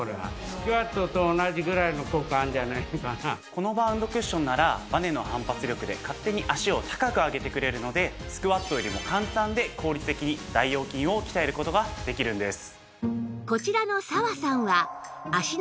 このバウンドクッションならバネの反発力で勝手に脚を高く上げてくれるのでスクワットよりも簡単で効率的に大腰筋を鍛える事ができるんです。